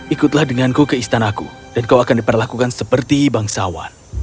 ikutlah denganku ke istanaku dan kau akan diperlakukan seperti bangsawan